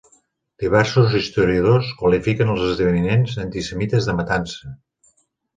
Diversos historiadors qualifiquen els esdeveniments antisemites de "matança".